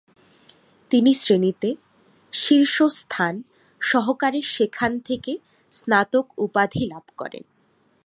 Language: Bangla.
তিনি শ্রেণিতে শীর্ষস্থান সহকারে সেখান থেকে স্নাতক উপাধি লাভ করেন।